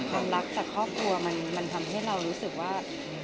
ความรักจากครอบครัวมันทำให้เรารู้สึกว่า